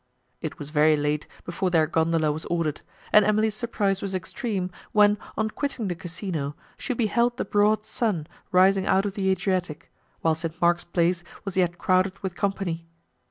It was very late before their gondola was ordered, and Emily's surprise was extreme, when, on quitting the Casino, she beheld the broad sun rising out of the Adriatic, while St. Mark's Place was yet crowded with company.